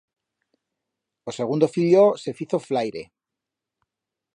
O segundo fillo se fizo flaire.